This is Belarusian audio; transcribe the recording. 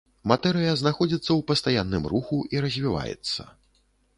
Матэрыя знаходзіцца ў пастаянным руху і развіваецца.